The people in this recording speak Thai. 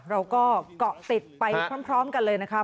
เราก็เกาะติดไปพร้อมกันเลยนะคะ